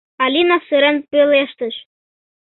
— Алина сырен пелештыш.